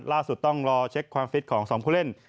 ล่าสุดต้องรอเช็กความฟิตของสองผู้เล่น